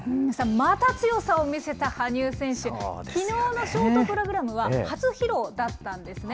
また強さを見せた羽生選手、きのうのショートプログラムは初披露だったんですね。